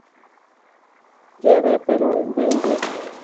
J. D. Perón; Bv.